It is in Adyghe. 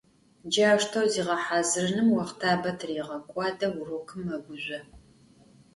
Cauşteu ziğehazırınım voxhtabe tırêğek'uade, vurokım meguzjo.